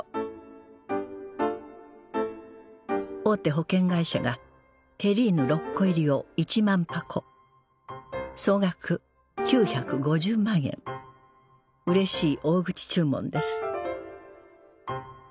大手保険会社がテリーヌ６個入りを１万箱総額９５０万円うれしい大口注文です